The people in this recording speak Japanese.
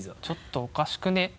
ちょっとおかしくね？